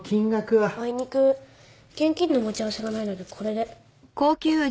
あいにく現金の持ち合わせがないのでこれで。